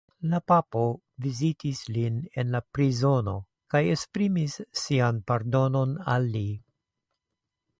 La papo vizitis lin en la prizono kaj esprimis sian pardonon al li.